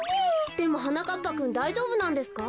でもはなかっぱくんだいじょうぶなんですか？